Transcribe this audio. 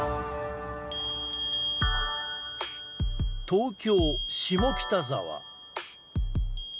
東京・下北沢。